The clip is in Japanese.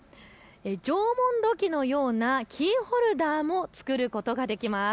縄文土器のようなキーホルダーを作ることができます。